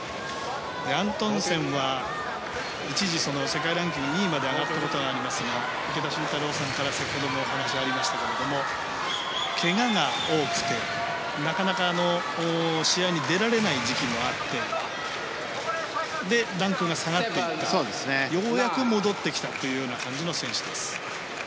アントンセンは一時世界ランキング２位まで上がったことがありますが池田信太郎さんから先ほどもお話がありましたけれどもけがが多くて、なかなか試合に出られない時期もあってそれでランクが下がっていってようやく戻ってきたという感じの選手です。